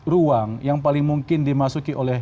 ruang yang paling mungkin dimasuki oleh